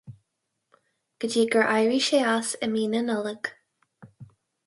Go dtí gur éirigh sé as i mí na Nollag